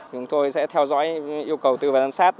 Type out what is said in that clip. chúng tôi sẽ theo dõi yêu cầu tư vấn giám sát